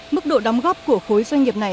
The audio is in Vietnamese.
mức độ đóng góp của khối doanh nghiệp này